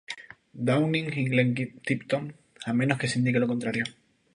Downing y Glenn Tipton, a menos que se indique lo contrario.